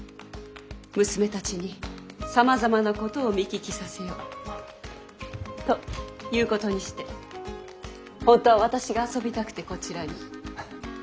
娘たちにさまざまなことを見聞きさせようということにして本当は私が遊びたくてこちらに。